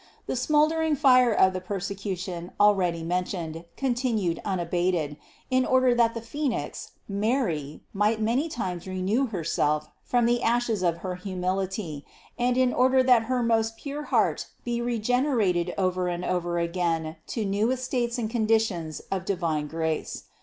The smoulder ing fire of the persecution already mentioned continued unabated, in order that the Phenix, Mary, might many times renew Herself from the ashes of her humility, and in order that her most pure heart be regenerated over and over again to new estates and conditions of divine grace.